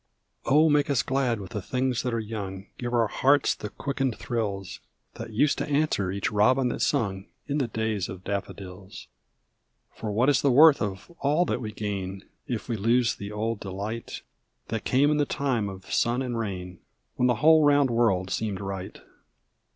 Oh! make us glad with the things that are young; Give our hearts the quickened thrills That used to answer each robin that sung In the days of daffodils. For what is the worth of all that we gain, If we lose the old delight, That came in the time of sun and rain, When the whole round world seemed right?